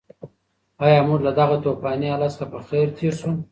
ایا موږ له دغه توپاني حالت څخه په خیر تېر شوو؟